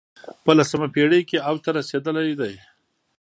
په لسمه پېړۍ کې اوج ته رسېدلی دی